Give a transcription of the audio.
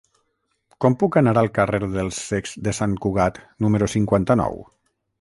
Com puc anar al carrer dels Cecs de Sant Cugat número cinquanta-nou?